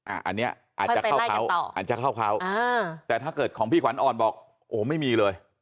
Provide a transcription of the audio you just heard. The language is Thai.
อันนี้อาจจะเข้าเขาแต่ถ้าเกิดของพี่ขวัญอ่อนบอกไม่มีเลย